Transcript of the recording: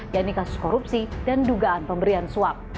yaitu kasus korupsi dan dugaan pemberian suap